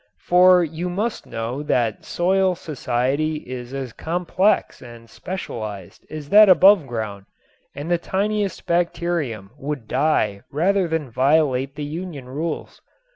For you must know that soil society is as complex and specialized as that above ground and the tiniest bacterium would die rather than violate the union rules.